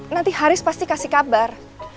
nanti haris pasti kasih kabar